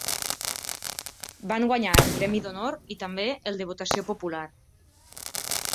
Van guanyar el Premi d'Honor i també el de votació popular.